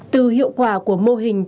từ hiệu quả của mô hình